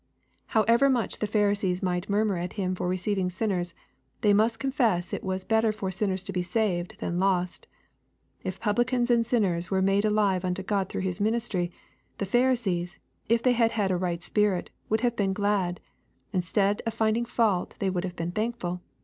However much the Pharisees might murmur at Him for receiving sinners, they must confess it was better for sinners to be saved than lost. If publicans and sinners were made alive unto God through His ministry, the Pharisees, if they had had a right spirit, would have been glad. Instead of finding fault they would have been thankful.